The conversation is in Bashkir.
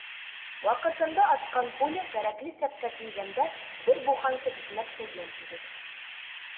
— Ваҡытында атҡан пуля кәрәкле сәпкә тейгәндә бер буханка икмәк тә йәл түгел!